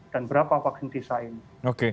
dan berapa vaksin sisa ini